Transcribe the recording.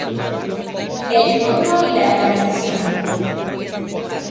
El turno y la transición".